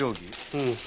うん。